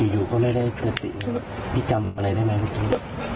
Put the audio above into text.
อยู่ก็ไม่ได้สติไม่จำอะไรได้ไหม